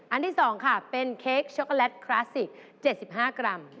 ที่๒ค่ะเป็นเค้กช็อกโกแลตคลาสสิก๗๕กรัม